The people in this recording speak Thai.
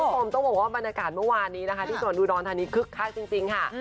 ผมต้องบอกว่าบรรยากาศเมื่อวานนี้นะคะที่ส่วนดูนอนทางนี้คึกค่าจริงค่ะ